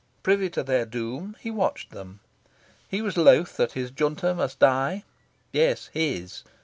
Privy to their doom, he watched them. He was loth that his Junta must die. Yes, his.